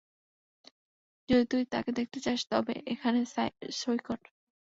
যদি তুই তাকে দেখতে চাস তবে এখানে সঁই কর।